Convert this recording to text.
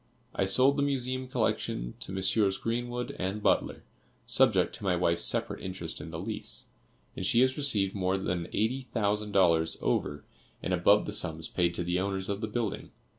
I sold the Museum collection to Messrs. Greenwood and Butler, subject to my wife's separate interest in the lease, and she has received more than eighty thousand dollars over and above the sums paid to the owners of the building.